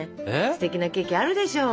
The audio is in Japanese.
ステキなケーキあるでしょ？